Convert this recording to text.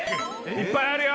いっぱいあるよ